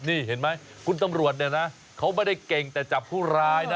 นี่เห็นไหมคุณตำรวจเนี่ยนะเขาไม่ได้เก่งแต่จับผู้ร้ายนะ